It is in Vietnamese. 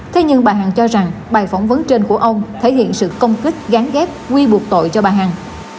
thế nhưng bà hằng cho rằng bài phỏng vấn trên của ông thể hiện sự công kích gắn ghép quy buộc tội cho bà hằng